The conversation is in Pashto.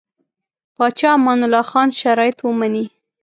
پاچا امان الله خان شرایط ومني.